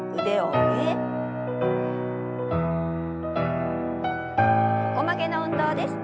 横曲げの運動です。